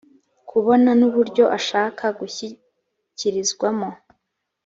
kubona n uburyo ashaka gushyikirizwamo